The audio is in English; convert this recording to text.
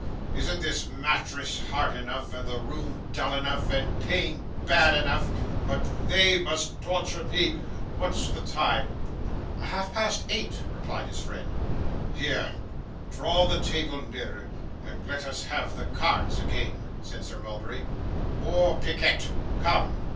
'Isn't this mattress hard enough, and the room dull enough, and pain bad enough, but THEY must torture me? What's the time?' 'Half past eight,' replied his friend. 'Here, draw the table nearer, and let us have the cards again,' said Sir Mulberry. 'More piquet. Come.